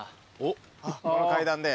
この階段で。